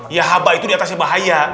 yahaba itu diatasnya bahaya